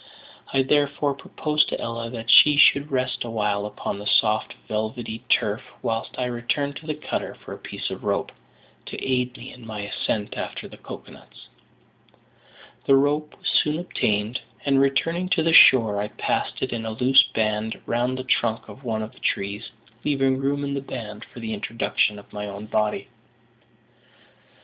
I therefore proposed to Ella that she should rest awhile upon the soft, velvety turf, whilst I returned to the cutter for a piece of rope, to aid me in my ascent after the cocoa nuts. The rope was soon obtained; and, returning to the shore, I passed it in a loose band round the trunk of one of the trees, leaving room in the band for the introduction of my own body.